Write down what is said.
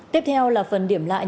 tiếp theo là phần điểm lại